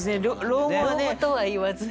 老後とは言わずに。